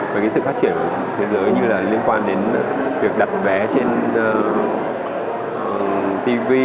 với cái sự phát triển thế giới như là liên quan đến việc đặt vé trên tivi